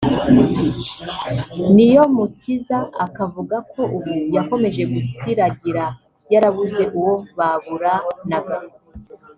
Niyomukiza akavuga ko ubu yakomeje gusiragira yarabuze uwo baburanaga